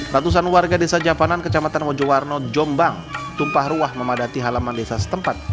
ratusan warga desa japanan kecamatan mojowarno jombang tumpah ruah memadati halaman desa setempat